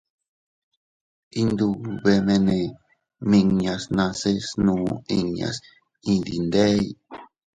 Iyndubemene miñan nase snuu inñas iydindey.